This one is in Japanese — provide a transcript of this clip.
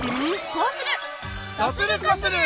どうする！